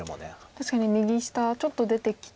確かに右下ちょっと出てきて。